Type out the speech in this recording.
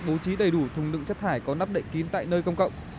bố trí đầy đủ thùng đựng chất thải có nắp đậy kín tại nơi công cộng